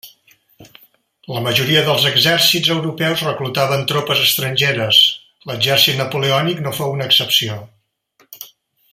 La majoria dels exèrcits europeus reclutaven tropes estrangeres, l'exèrcit napoleònic no fou una excepció.